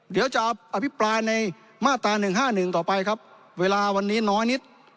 เดี๋ยวจะอภิปราณในมาตราหนึ่งห้าหนึ่งต่อไปครับเวลาวันนี้น้อยนิด